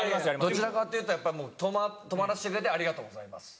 どちらかというとやっぱり泊まらせてくれてありがとうございます。